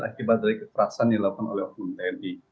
akibat dari kekerasan yang dilakukan oleh oknum tni